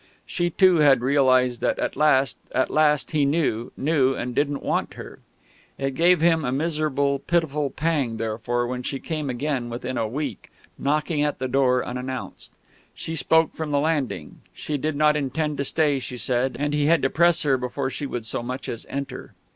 She, too, had realised that at last, at last he knew knew, and didn't want her. It gave him a miserable, pitiful pang, therefore, when she came again within a week, knocking at the door unannounced. She spoke from the landing; she did not intend to stay, she said; and he had to press her before she would so much as enter.